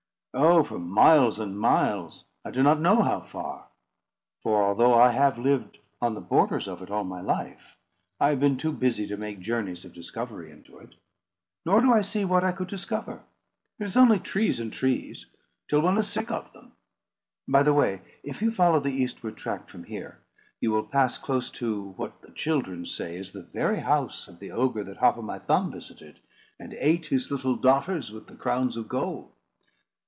"Oh! for miles and miles; I do not know how far. For although I have lived on the borders of it all my life, I have been too busy to make journeys of discovery into it. Nor do I see what I could discover. It is only trees and trees, till one is sick of them. By the way, if you follow the eastward track from here, you will pass close to what the children say is the very house of the ogre that Hop o' my Thumb visited, and ate his little daughters with the crowns of gold."